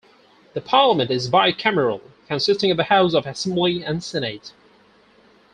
The Parliament is bicameral, consisting of the House of Assembly and Senate.